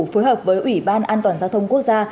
phối hợp với ủy ban an toàn giao thông quốc gia